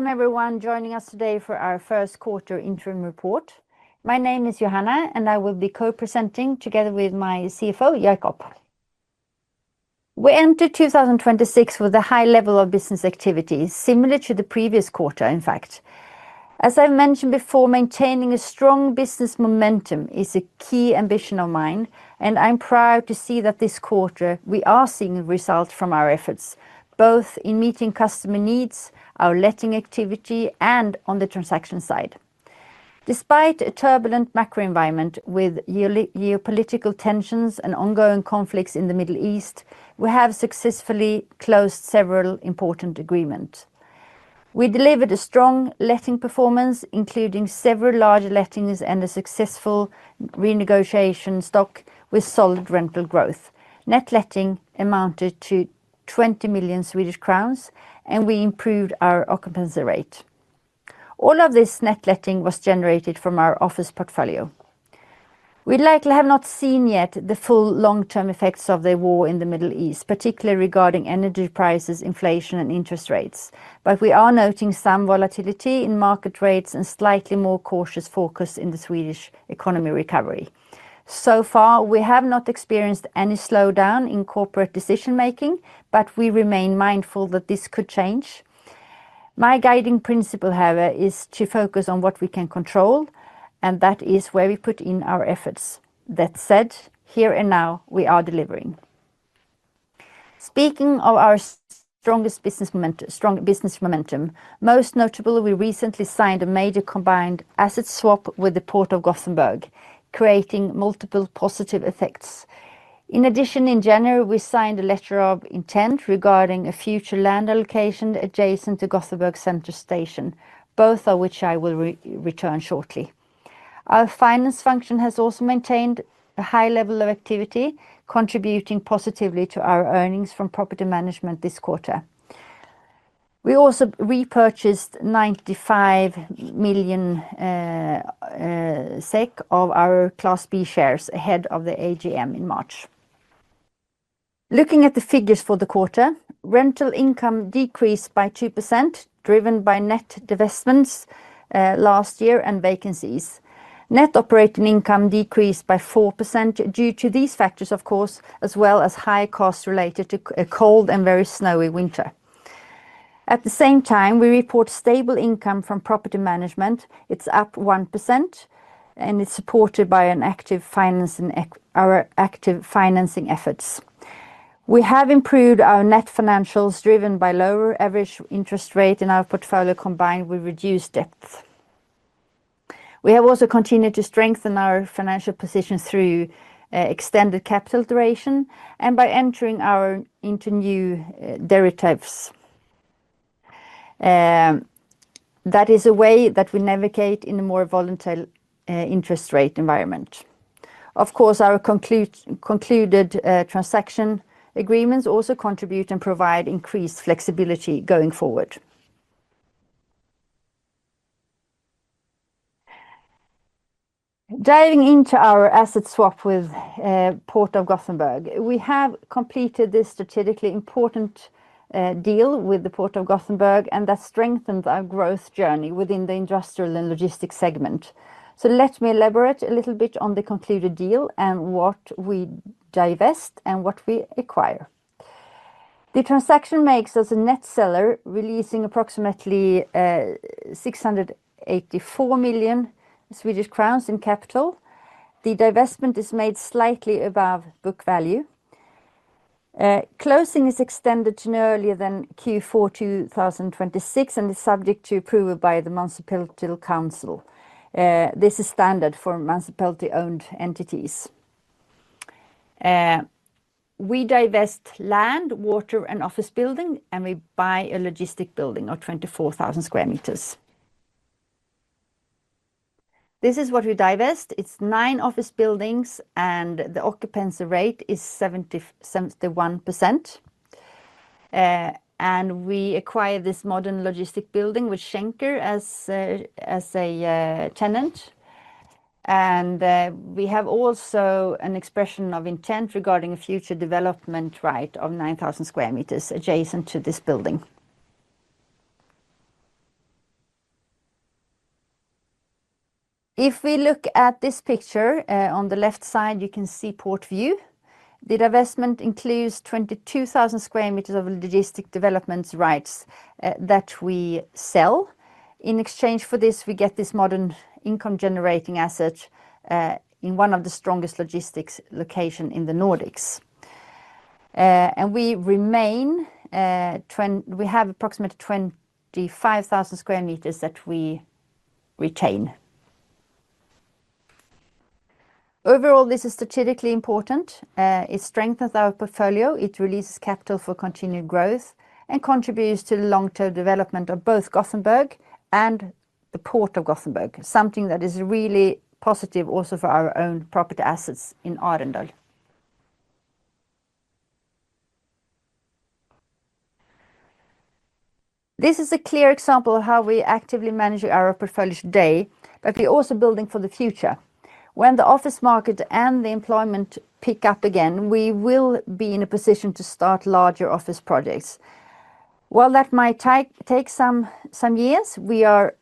Welcome everyone joining us today for our first quarter interim report. My name is Johanna and I will be co-presenting together with my CFO, Jakob. We entered 2026 with a high level of business activity, similar to the previous quarter, in fact. As I mentioned before, maintaining a strong business momentum is a key ambition of mine, and I'm proud to see that this quarter we are seeing results from our efforts, both in meeting customer needs, our letting activity, and on the transaction side. Despite a turbulent macro environment with geopolitical tensions and ongoing conflicts in the Middle East, we have successfully closed several important agreements. We delivered a strong letting performance, including several large lettings and a successful renegotiation stock with solid rental growth. Net letting amounted to 20 million Swedish crowns, and we improved our occupancy rate. All of this net letting was generated from our office portfolio. We likely have not seen yet the full long-term effects of the war in the Middle East, particularly regarding energy prices, inflation, and interest rates. We are noting some volatility in market rates and slightly more cautious focus in the Swedish economy recovery. So far, we have not experienced any slowdown in corporate decision-making, but we remain mindful that this could change. My guiding principle, however, is to focus on what we can control, and that is where we put in our efforts. That said, here and now, we are delivering. Speaking of our strong business momentum, most notable, we recently signed a major combined asset swap with the Port of Gothenburg, creating multiple positive effects. In addition, in January, we signed a letter of intent regarding a future land allocation adjacent to Gothenburg Central Station, both of which I will return shortly. Our finance function has also maintained a high level of activity, contributing positively to our earnings from property management this quarter. We also repurchased 95 million SEK of our Class B shares ahead of the AGM in March. Looking at the figures for the quarter, rental income decreased by 2%, driven by net divestments last year and vacancies. Net operating income decreased by 4% due to these factors, of course, as well as high costs related to a cold and very snowy winter. At the same time, we report stable income from property management. It's up 1% and it's supported by our active financing efforts. We have improved our net financials driven by lower average interest rate in our portfolio, combined with reduced debt. We have also continued to strengthen our financial position through extended capital duration and by entering into new derivatives. That is a way that we navigate in a more volatile interest rate environment. Of course, our concluded transaction agreements also contribute and provide increased flexibility going forward. Diving into our asset swap with Port of Gothenburg. We have completed this strategically important deal with the Port of Gothenburg, and that strengthens our growth journey within the Industrial & logistics segment. Let me elaborate a little bit on the concluded deal and what we divest and what we acquire. The transaction makes us a net seller, releasing approximately 684 million Swedish crowns in capital. The divestment is made slightly above book value. Closing is extended to no earlier than Q4 2026 and is subject to approval by the [Municipal] Council. This is standard for municipality-owned entities. We divest land, water, and office building, and we buy a logistics building of 24,000 sq m. This is what we divest. It's nine office buildings and the occupancy rate is 71%. We acquire this modern logistics building with DB Schenker as a tenant. We have also an expression of intent regarding a future development right of 9,000 sq m adjacent to this building. If we look at this picture, on the left side, you can see Port View. The divestment includes 22,000 sq m of logistics development rights that we sell. In exchange for this, we get this modern income-generating asset, in one of the strongest logistics locations in the Nordics. We have approximately 25,000 sq m that we retain. Overall, this is strategically important. It strengthens our portfolio. It releases capital for continued growth and contributes to the long-term development of both Gothenburg and the Port of Gothenburg. Something that is really positive also for our own property assets in Arendal. This is a clear example of how we actively manage our portfolio today, but we're also building for the future. When the office market and the employment pick up again, we will be in a position to start larger office projects. While that might take some years, we are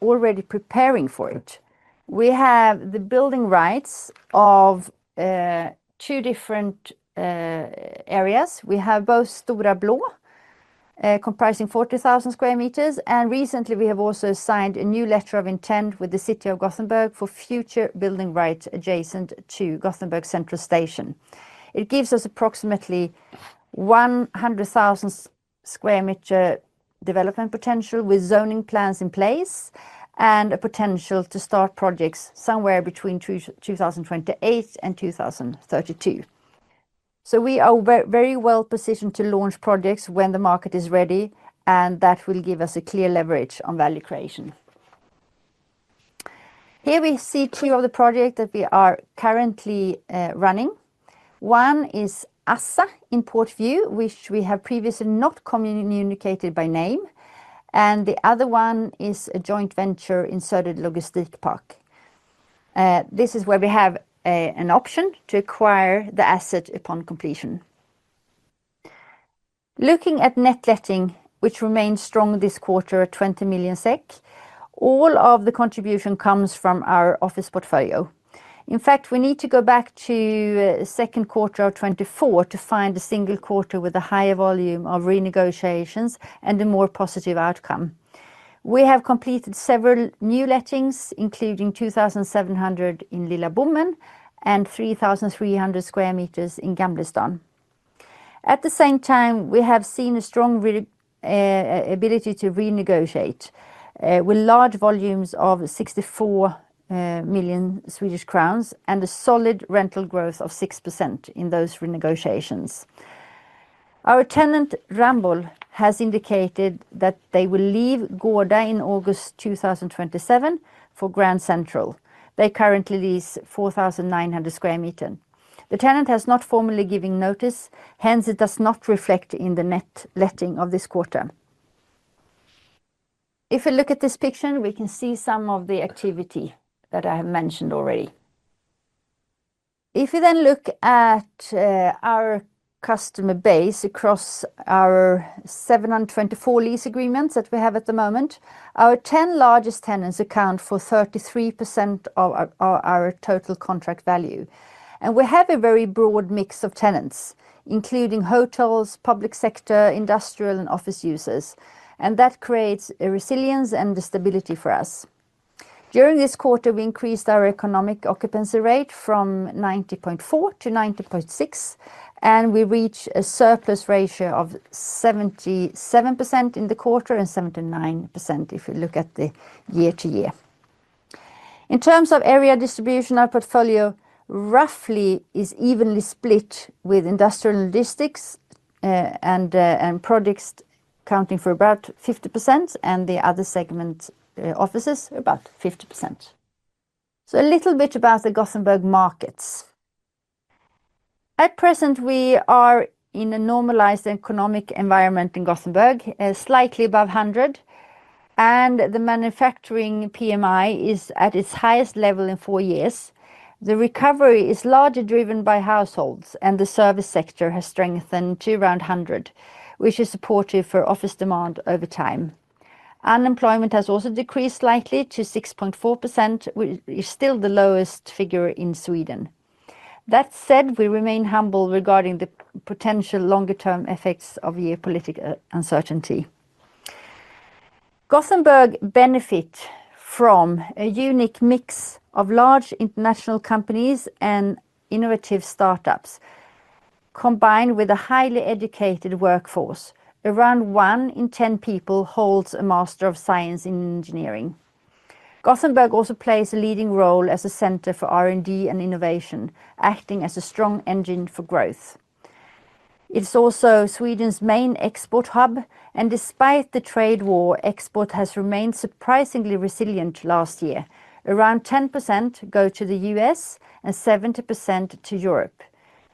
already preparing for it. We have the building rights of two different areas. We have both Stora Blå, comprising 40,000 sq m, and recently we have also signed a new letter of intent with the City of Gothenburg for future building rights adjacent to Gothenburg Central Station. It gives us approximately 100,000 sq m development potential with zoning plans in place and a potential to start projects somewhere between 2028 and 2032. We are very well-positioned to launch projects when the market is ready, and that will give us a clear leverage on value creation. Here we see two of the projects that we are currently running. One is Assa in Port View, which we have previously not communicated by name, and the other one is a joint venture in Sörred Logistikpark. This is where we have an option to acquire the asset upon completion. Looking at net letting, which remains strong this quarter at 20 million SEK, all of the contribution comes from our office portfolio. In fact, we need to go back to second quarter of 2024 to find a single quarter with a higher volume of renegotiations and a more positive outcome. We have completed several new lettings, including 2,700 sq m in Lilla Bommen and 3,300 sq m in Gamlestaden. At the same time, we have seen a strong ability to renegotiate with large volumes of 64 million Swedish crowns and a solid rental growth of 6% in those renegotiations. Our tenant, Ramboll, has indicated that they will leave Gårda in August 2027 for Grand Central. They currently lease 4,900 sq m. The tenant has not formally given notice, hence it does not reflect in the net letting of this quarter. If we look at this picture, we can see some of the activity that I have mentioned already. If we then look at our customer base across our 724 lease agreements that we have at the moment, our 10 largest tenants account for 33% of our total contract value. We have a very broad mix of tenants, including hotels, public sector, industrial, and office users, and that creates a resilience and stability for us. During this quarter, we increased our economic occupancy rate from 90.4% to 90.6%, and we reach a surplus ratio of 77% in the quarter and 79% if you look at the year-to-year. In terms of area distribution, our portfolio roughly is evenly split, with industrial logistics, and projects accounting for about 50%, and the other segment, offices, about 50%. A little bit about the Gothenburg markets. At present, we are in a normalized economic environment in Gothenburg, slightly above 100, and the manufacturing PMI is at its highest level in four years. The recovery is largely driven by households, and the service sector has strengthened to around 100, which is supportive for office demand over time. Unemployment has also decreased slightly to 6.4%, which is still the lowest figure in Sweden. That said, we remain humble regarding the potential longer-term effects of geopolitical uncertainty. Gothenburg benefits from a unique mix of large international companies and innovative startups, combined with a highly educated workforce. Around one in 10 people holds a Master of Science in Engineering. Gothenburg also plays a leading role as a center for R&D and innovation, acting as a strong engine for growth. It's also Sweden's main export hub, and despite the trade war, export has remained surprisingly resilient last year. Around 10% go to the U.S. and 70% to Europe.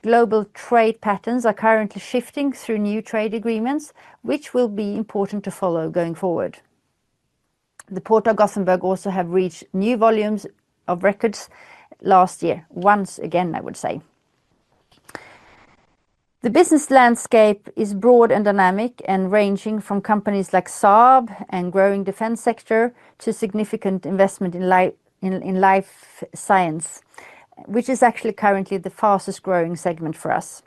Global trade patterns are currently shifting through new trade agreements, which will be important to follow going forward. The Port of Gothenburg has also reached new volumes of records last year. Once again, I would say. The business landscape is broad and dynamic and ranging from companies like Saab and growing defense sector to significant investment in life science, which is actually currently the fastest-growing segment for us.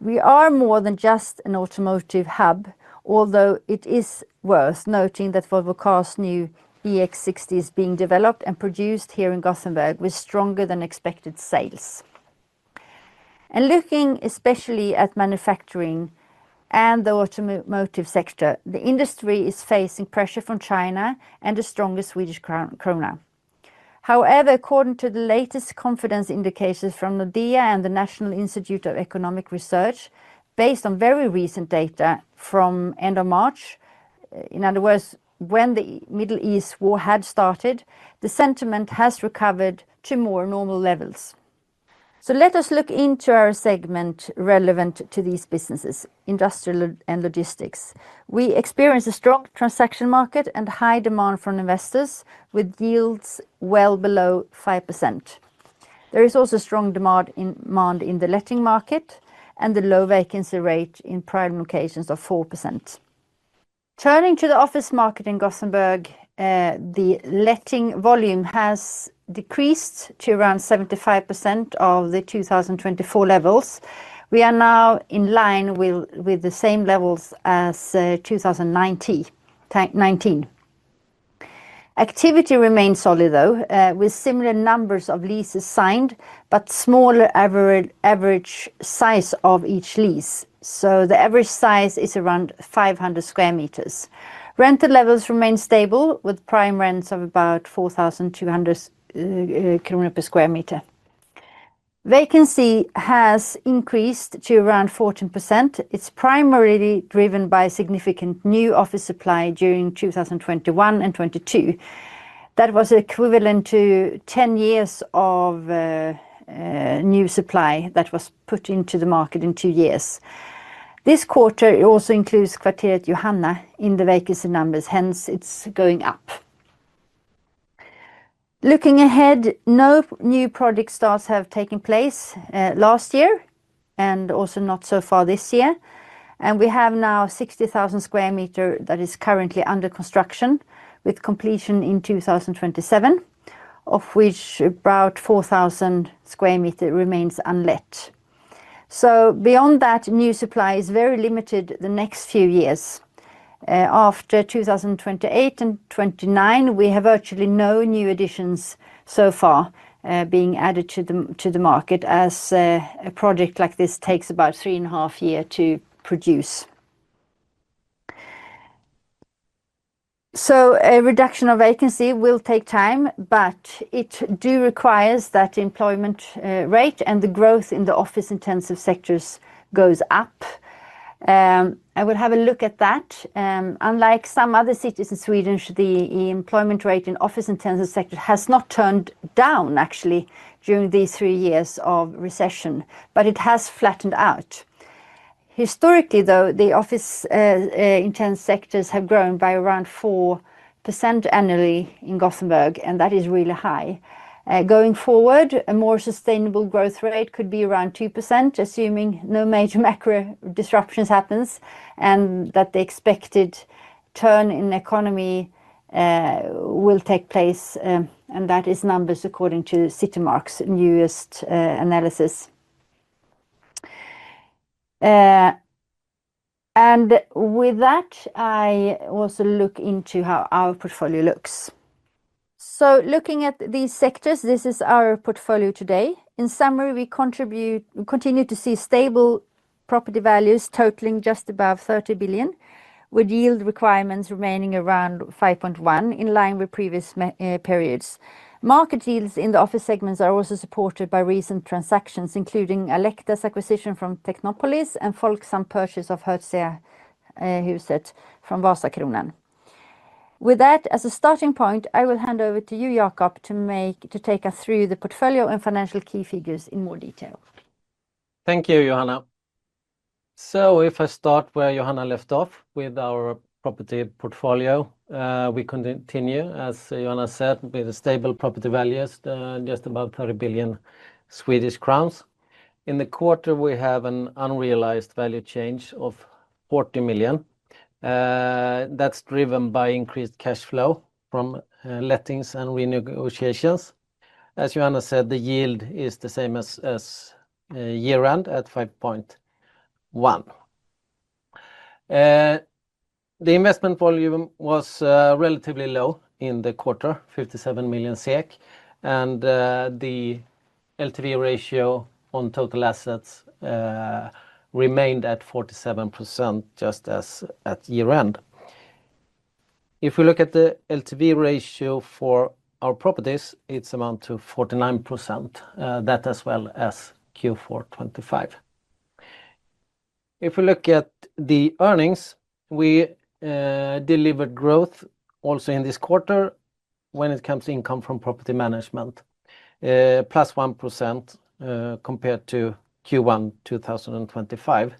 We are more than just an automotive hub, although it is worth noting that Volvo Cars' new EX60 is being developed and produced here in Gothenburg with stronger than expected sales. Looking especially at manufacturing and the automotive sector, the industry is facing pressure from China and a stronger Swedish krona. However, according to the latest confidence indicators from Nordea and the National Institute of Economic Research, based on very recent data from end of March, in other words, when the Middle East war had started, the sentiment has recovered to more normal levels. Let us look into our segment relevant to these businesses, Industrial & logistics. We experience a strong transaction market and high demand from investors with yields well below 5%. There is also strong demand in the letting market and the low vacancy rate in prime locations of 4%. Turning to the office market in Gothenburg, the letting volume has decreased to around 75% of the 2024 levels. We are now in line with the same levels as 2019. Activity remains solid, though, with similar numbers of leases signed, but smaller average size of each lease. The average size is around 500 sq m. Rental levels remain stable, with prime rents of about 4,200 krona per sq m. Vacancy has increased to around 14%. It's primarily driven by significant new office supply during 2021 and 2022. That was equivalent to 10 years of new supply that was put into the market in two years. This quarter, it also includes Kvarteret Johanna in the vacancy numbers, hence it's going up. Looking ahead, no new project starts have taken place last year and also not so far this year. We have now 60,000 sq m that is currently under construction, with completion in 2027, of which about 4,000 sq m remains unlet. Beyond that, new supply is very limited the next few years. After 2028 and 2029, we have virtually no new additions so far being added to the market as a project like this takes about 3.5 year to produce. A reduction of vacancy will take time, but it do requires that employment rate and the growth in the office-intensive sectors goes up. I will have a look at that. Unlike some other cities in Sweden, the employment rate in office-intensive sector has not turned down actually during these three years of recession, but it has flattened out. Historically, though, the office-intensive sectors have grown by around 4% annually in Gothenburg, and that is really high. Going forward, a more sustainable growth rate could be around 2%, assuming no major macro disruptions happens and that the expected turn in the economy will take place, and that is numbers according to Citymark's newest analysis. With that, I also look into how our portfolio looks. Looking at these sectors, this is our portfolio today. In summary, we continue to see stable property values totaling just above 30 billion, with yield requirements remaining around 5.1%, in line with previous periods. Market yields in the office segments are also supported by recent transactions, including Alecta's acquisition from Technopolis and Folksam purchase of Hertziahuset from Vasakronan. With that as a starting point, I will hand over to you, Jakob, to take us through the portfolio and financial key figures in more detail. Thank you, Johanna. If I start where Johanna left off with our property portfolio, we continue, as Johanna said, with the stable property values, just above 30 billion Swedish crowns. In the quarter, we have an unrealized value change of 40 million. That's driven by increased cash flow from lettings and renegotiations. As Johanna said, the yield is the same as year-end at 5.1%. The investment volume was relatively low in the quarter, 57 million SEK, and the LTV ratio on total assets remained at 47%, just as at year-end. If we look at the LTV ratio for our properties, it amounts to 49%. That as well as Q4 2025. If we look at the earnings, we delivered growth also in this quarter when it comes to income from property management, +1% compared to Q1 2025.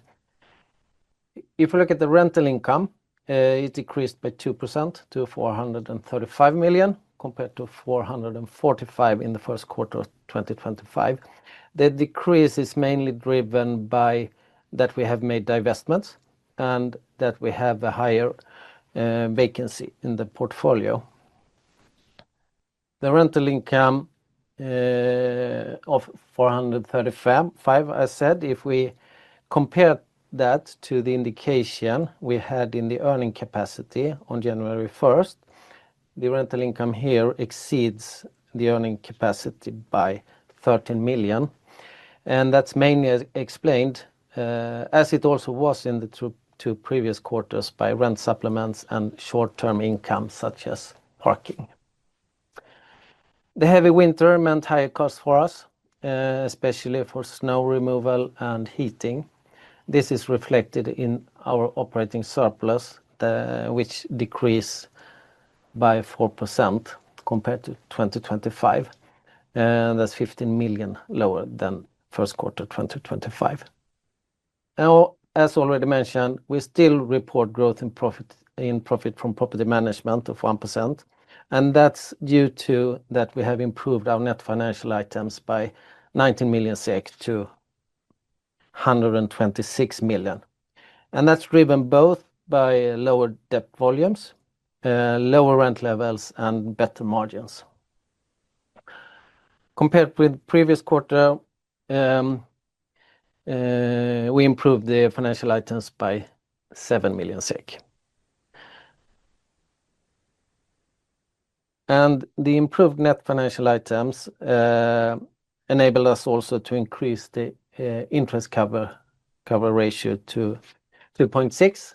If we look at the rental income, it decreased by 2% to 435 million compared to 445 million in the first quarter of 2024. The decrease is mainly driven by that we have made divestments and that we have a higher vacancy in the portfolio. The rental income of 435 million, I said, if we compare that to the indication we had in the earning capacity on January 1st, the rental income here exceeds the earning capacity by 13 million. That's mainly explained, as it also was in the two previous quarters, by rent supplements and short-term income such as parking. The heavy winter meant higher costs for us, especially for snow removal and heating. This is reflected in our operating surplus, which decreased by 4% compared to 2024, and that's 15 million lower than first quarter 2024. Now, as already mentioned, we still report growth in profit from property management of 1%, and that's due to that we have improved our net financial items by 19 million SEK to 126 million. That's driven both by lower debt volumes, lower rent levels, and better margins. Compared with previous quarter, we improved the financial items by 7 million SEK. The improved net financial items enabled us also to increase the interest cover ratio to 2.6%,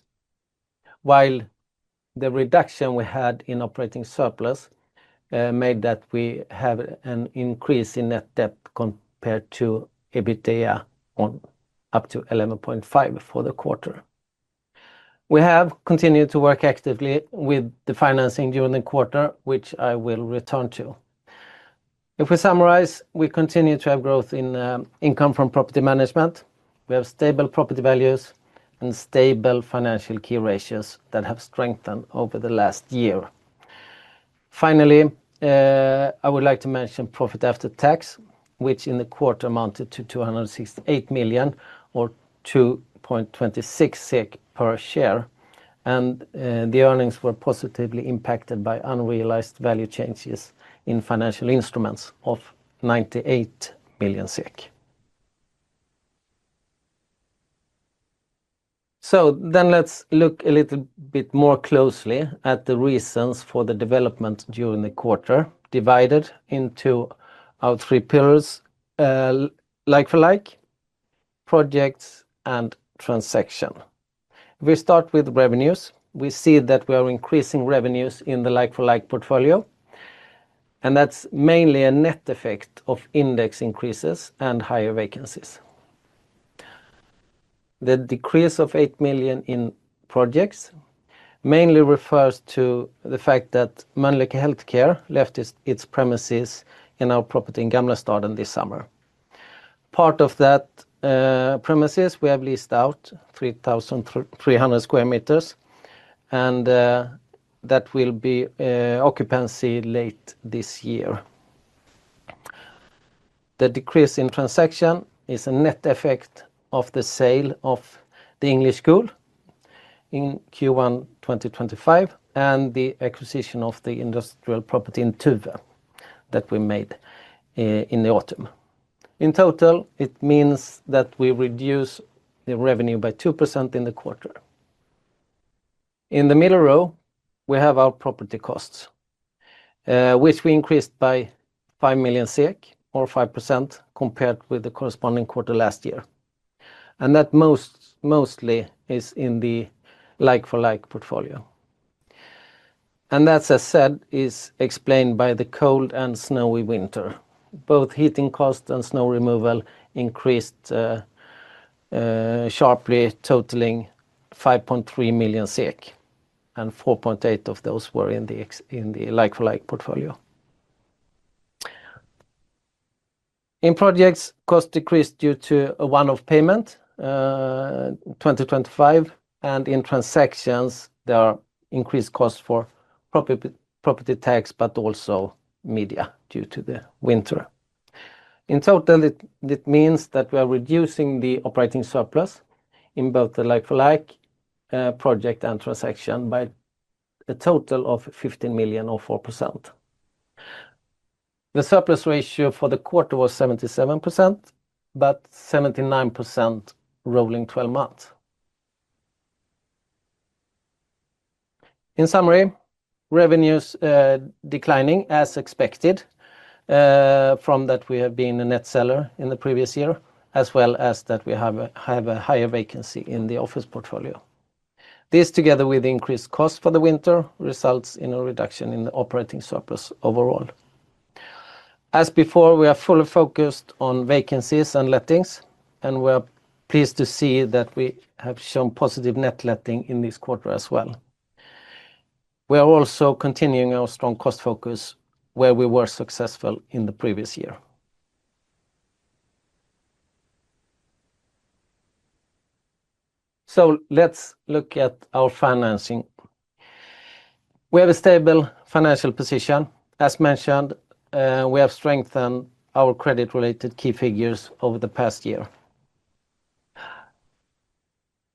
while the reduction we had in operating surplus made that we have an increase in net debt compared to EBITDA on up to 11.5 %for the quarter. We have continued to work actively with the financing during the quarter, which I will return to. If we summarize, we continue to have growth in income from property management. We have stable property values and stable financial key ratios that have strengthened over the last year. Finally, I would like to mention profit after tax, which in the quarter amounted to 268 million or 2.26 SEK per share. The earnings were positively impacted by unrealized value changes in financial instruments of 98 million SEK. Let's look a little bit more closely at the reasons for the development during the quarter, divided into our three pillars, like-for-like, projects, and transaction. If we start with revenues, we see that we are increasing revenues in the like-for-like portfolio, and that's mainly a net effect of index increases and higher vacancies. The decrease of 8 million in projects mainly refers to the fact that Mölnlycke Health Care left its premises in our property in Gamlestaden this summer. Part of that premises we have leased out 3,300 sq m and that will be occupancy late this year. The decrease in transaction is a net effect of the sale of The English School in Q1 2025 and the acquisition of the industrial property in Tuve that we made in the autumn. In total, it means that we reduce the revenue by 2% in the quarter. In the middle row, we have our property costs, which we increased by 5 million SEK or 5% compared with the corresponding quarter last year. That mostly is in the like-for-like portfolio. That, as I said, is explained by the cold and snowy winter. Both heating cost and snow removal increased sharply, totaling 5.3 million SEK, and 4.8 million of those were in the like-for-like portfolio. In projects, cost decreased due to a one-off payment, 2025, and in transactions there are increased costs for property tax but also media due to the winter. In total, it means that we are reducing the operating surplus in both the like-for-like, project, and transaction by a total of 15 million or 4%. The surplus ratio for the quarter was 77%, but 79% rolling 12 months. In summary, revenues declining as expected, from that we have been a net seller in the previous year as well as that we have a higher vacancy in the office portfolio. This, together with increased cost for the winter, results in a reduction in the operating surplus overall. As before, we are fully focused on vacancies and lettings, and we're pleased to see that we have shown positive net letting in this quarter as well. We are also continuing our strong cost focus where we were successful in the previous year. Let's look at our financing. We have a stable financial position. As mentioned, we have strengthened our credit-related key figures over the past year.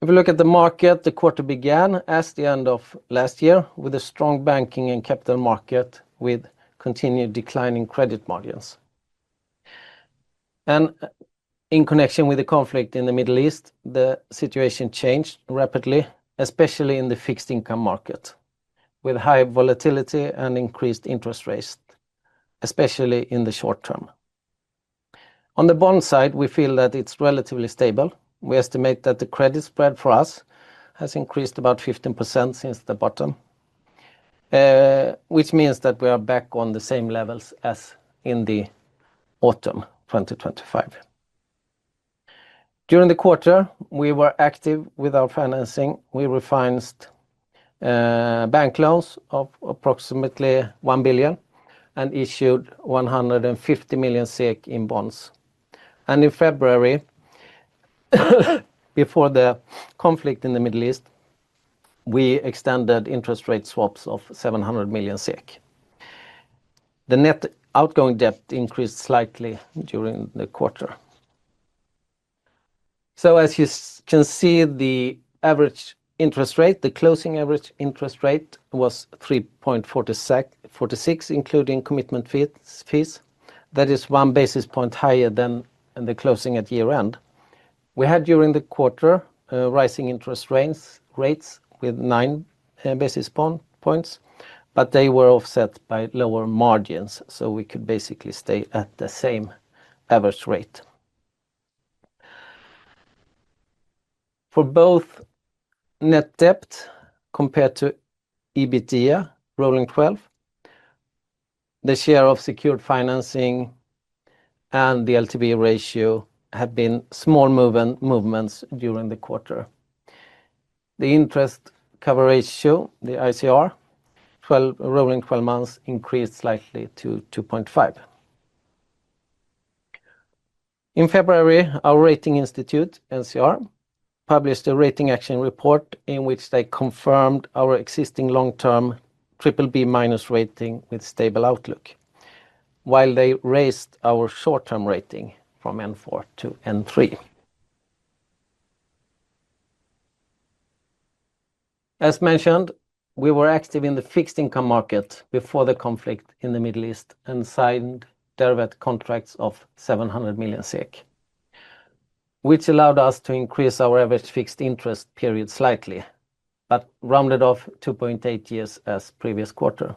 If we look at the market, the quarter began as the end of last year with a strong banking and capital market with continued declining credit margins. In connection with the conflict in the Middle East, the situation changed rapidly, especially in the fixed income market, with high volatility and increased interest rates, especially in the short term. On the bond side, we feel that it's relatively stable. We estimate that the credit spread for us has increased about 15% since the bottom, which means that we are back on the same levels as in the autumn 2025. During the quarter, we were active with our financing. We refinanced bank loans of approximately 1 billion and issued 150 million SEK in bonds. In February, before the conflict in the Middle East, we extended interest rate swaps of 700 million SEK. The net outstanding debt increased slightly during the quarter. As you can see, the closing average interest rate was 3.46, including commitment fees. That is 1 basis point higher than the closing at year-end. We had during the quarter rising interest rates with 9 basis points, but they were offset by lower margins, so we could basically stay at the same average rate. For both net debt compared to EBITDA rolling 12 months, the share of secured financing and the LTV ratio have been small movements during the quarter. The interest cover ratio, the ICR, rolling 12 months increased slightly to 2.5%. In February, our rating institute, NCR, published a rating action report in which they confirmed our existing long-term BBB- rating with stable outlook, while they raised our short-term rating from N4 to N3. As mentioned, we were active in the fixed income market before the conflict in the Middle East and signed derivative contracts of 700 million SEK, which allowed us to increase our average fixed interest period slightly, but rounded off 2.8 years as previous quarter.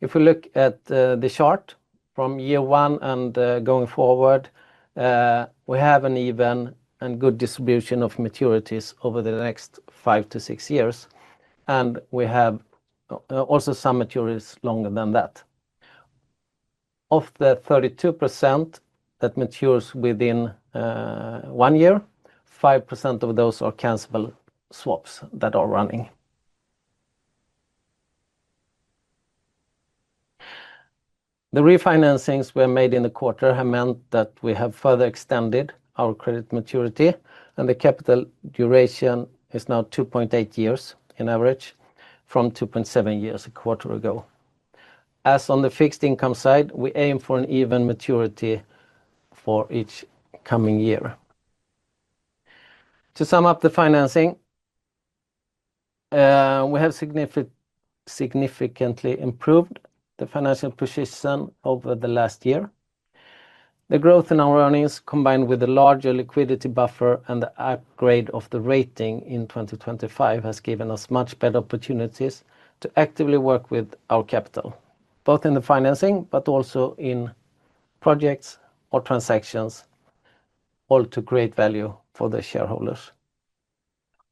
If we look at the chart from year one and going forward, we have an even and good distribution of maturities over the next five to six years, and we have also some maturities longer than that. Of the 32% that matures within one year, 5% of those are cancelable swaps that are running. The refinancings, made in the quarter, have meant that we have further extended our credit maturity, and the capital duration is now 2.8 years on average from 2.7 years a quarter ago. Also on the fixed income side, we aim for an even maturity for each coming year. To sum up the financing, we have significantly improved the financial position over the last year. The growth in our earnings, combined with the larger liquidity buffer and the upgrade of the rating in 2025, has given us much better opportunities to actively work with our capital, both in the financing but also in projects or transactions, all to create value for the shareholders.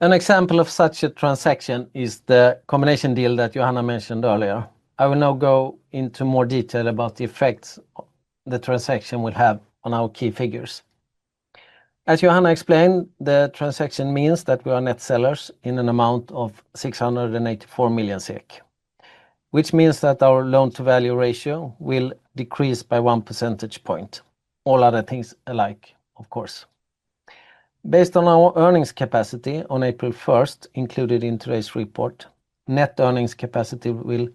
An example of such a transaction is the combination deal that Johanna mentioned earlier. I will now go into more detail about the effects the transaction will have on our key figures. As Johanna explained, the transaction means that we are net sellers in an amount of 684 million SEK. Which means that our loan-to-value ratio will decrease by 1 percentage point, all other things alike, of course. Based on our earnings capacity on April 1st, included in today's report, net earnings capacity will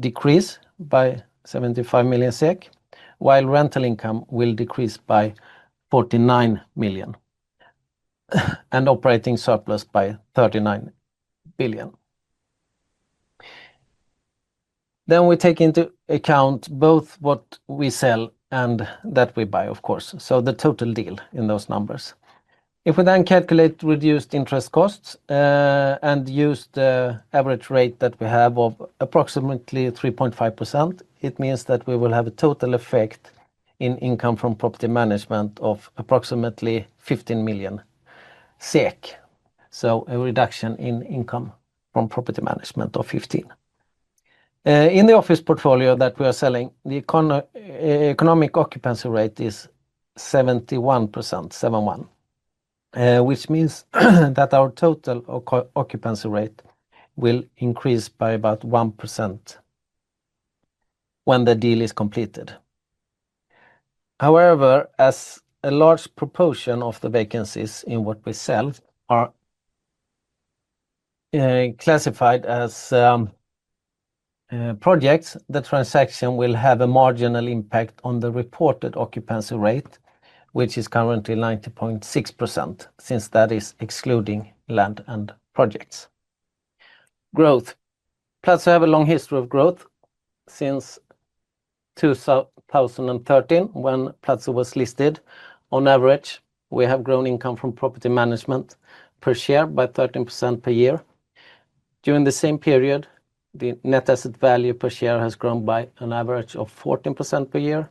decrease by 75 million SEK, while rental income will decrease by 49 million, and operating surplus by 39 million. We take into account both what we sell and that we buy, of course, so the total deal in those numbers. If we then calculate reduced interest costs and use the average rate that we have of approximately 3.5%, it means that we will have a total effect in income from property management of approximately 15 million SEK. A reduction in income from property management of 15 million. In the office portfolio that we are selling, the economic occupancy rate is 71%, seven one, which means that our total occupancy rate will increase by about 1% when the deal is completed. However, as a large proportion of the vacancies in what we sell are classified as projects, the transaction will have a marginal impact on the reported occupancy rate, which is currently 90.6%, since that is excluding land and projects. Growth. Platzer have a long history of growth since 2013, when Platzer was listed. On average, we have grown income from property management per share by 13% per year. During the same period, the net asset value per share has grown by an average of 14% per year,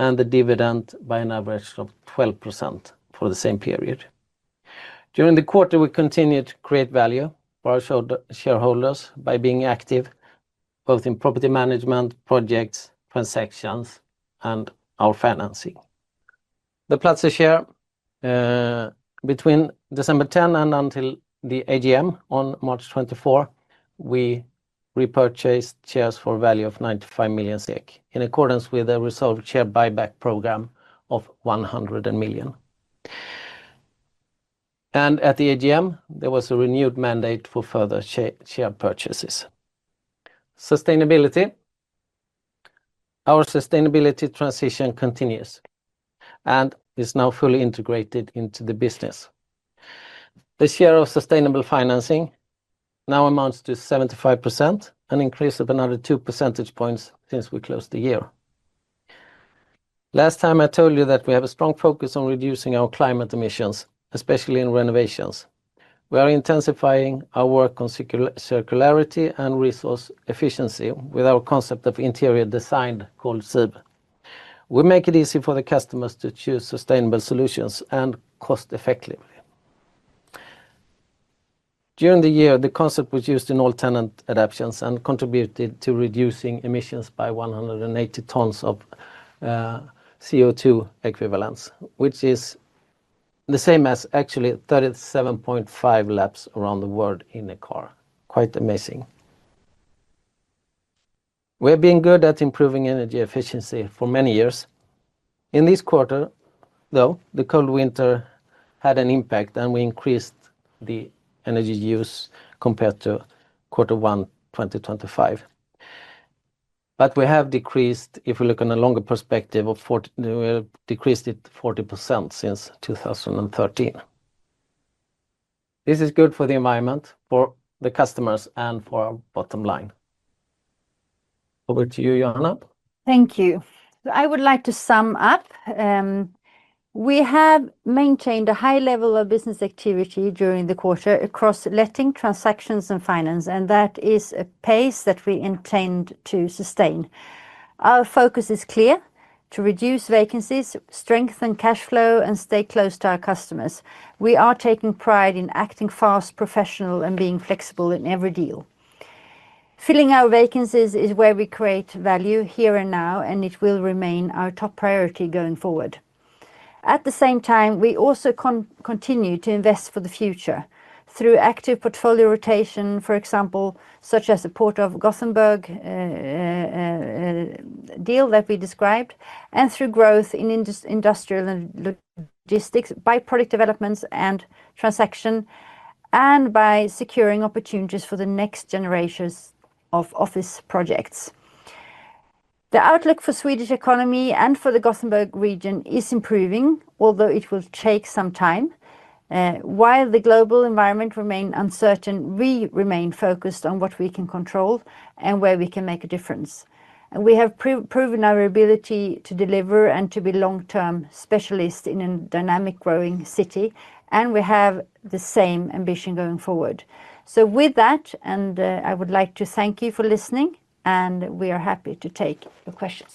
and the dividend by an average of 12% for the same period. During the quarter, we continued to create value for our shareholders by being active both in property management, projects, transactions, and our financing. The Platzer share between December 10 and until the AGM on March 24, we repurchased shares for a value of 95 million SEK in accordance with the resolved share buyback program of 100 million. At the AGM, there was a renewed mandate for further share purchases. Sustainability. Our sustainability transition continues and is now fully integrated into the business. This year of sustainable financing now amounts to 75%, an increase of another 2 percentage points since we closed the year. Last time I told you that we have a strong focus on reducing our climate emissions, especially in renovations. We are intensifying our work on circularity and resource efficiency with our concept of interior design called [SiB]. We make it easy for the customers to choose sustainable solutions and cost-effectively. During the year, the concept was used in all tenant adaptations and contributed to reducing emissions by 180 tons of CO2 equivalents, which is the same as actually 37.5 laps around the world in a car. Quite amazing. We've been good at improving energy efficiency for many years. In this quarter, though, the cold winter had an impact, and we increased the energy use compared to quarter one 2025. We have decreased, if we look in a longer perspective, we have decreased it 40% since 2013. This is good for the environment, for the customers, and for our bottom line. Over to you, Johanna. Thank you. I would like to sum up. We have maintained a high level of business activity during the quarter across letting, transactions, and finance, and that is a pace that we intend to sustain. Our focus is clear, to reduce vacancies, strengthen cash flow, and stay close to our customers. We are taking pride in acting fast, professional, and being flexible in every deal. Filling our vacancies is where we create value here and now, and it will remain our top priority going forward. At the same time, we also continue to invest for the future through active portfolio rotation, for example, such as the Port of Gothenburg deal that we described, and through growth in Industrial & logistics, by project developments and transactions, and by securing opportunities for the next generations of office projects. The outlook for Swedish economy and for the Gothenburg region is improving, although it will take some time. While the global environment remain uncertain, we remain focused on what we can control and where we can make a difference. We have proven our ability to deliver and to be long-term specialists in a dynamic, growing city, and we have the same ambition going forward. With that, and I would like to thank you for listening, and we are happy to take your questions.